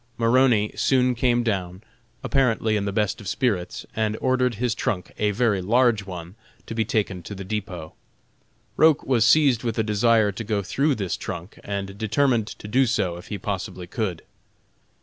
Maroney soon came down, apparently in the best of spirits, and ordered his trunk, a very large one, to be taken to the depot. Roch was seized with a desire to go through this trunk, and determined to do so if he possibly could.